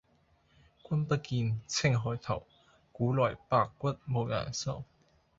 君不見，青海頭，古來白骨無人收。